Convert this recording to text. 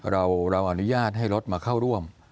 เราอนุญาตให้รถมาเข้าร่วม